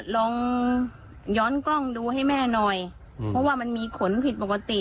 ลองย้อนกล้องดูให้แม่หน่อยเพราะว่ามันมีขนผิดปกติ